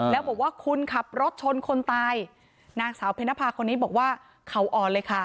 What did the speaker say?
แล้วบอกว่าคุณขับรถชนคนตายนางสาวเพนภาคนนี้บอกว่าเขาอ่อนเลยค่ะ